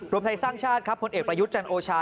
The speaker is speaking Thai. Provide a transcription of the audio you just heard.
ไทยสร้างชาติครับผลเอกประยุทธ์จันโอชา